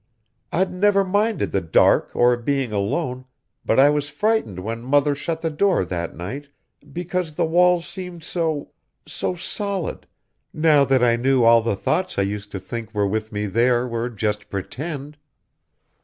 I'd never minded the dark or being alone, but I was frightened when Mother shut the door that night, because the walls seemed so ... so solid, now that I knew all the thoughts I used to think were with me there were just pretend.